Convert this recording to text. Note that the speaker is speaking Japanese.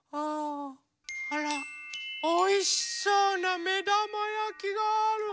あらおいしそうなめだまやきがある。